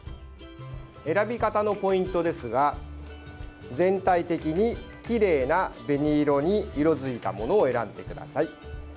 選び方のポイントですが全体的にきれいな紅色に色付いたものを選んでください。